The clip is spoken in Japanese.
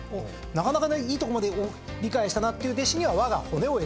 なかなかいいとこまで理解したという弟子には我が骨を得たり。